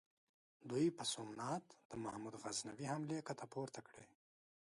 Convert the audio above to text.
دوی په سومنات د محمود غزنوي حملې کته پورته کړې.